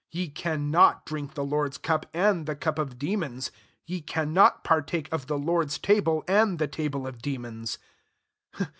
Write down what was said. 21 Ye cannot drink the Lord's cup, and the cup of de mons : ye cannot partake of the Lord's table, and the table of demons.